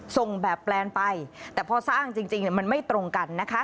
ส่งแบบแปลนไปแต่พอสร้างจริงมันไม่ตรงกันนะคะ